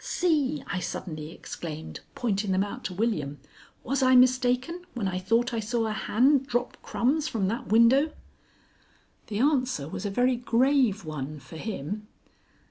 "See!" I suddenly exclaimed, pointing them out to William. "Was I mistaken when I thought I saw a hand drop crumbs from that window?" The answer was a very grave one for him.